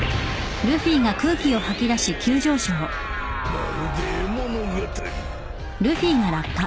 まるで絵物語。